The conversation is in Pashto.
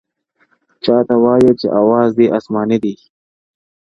چاته وايی چي آواز دي اسماني دی-